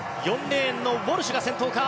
４レーンのウォルシュが先頭か。